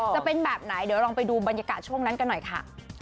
จะเป็นแบบไหนเดี๋ยวลองไปดูบรรยากาศช่วงนั้นกันหน่อยค่ะ